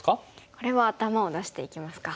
これは頭を出していきますか。